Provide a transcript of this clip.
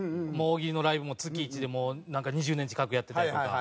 大喜利のライブも月１でもうなんか２０年近くやってたりとか。